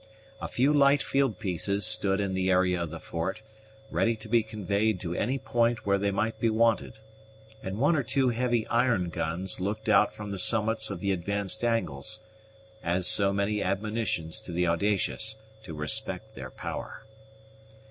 A few light field pieces stood in the area of the fort, ready to be conveyed to any point where they might be wanted, and one or two heavy iron guns looked out from the summits of the advanced angles, as so many admonitions to the audacious to respect their power.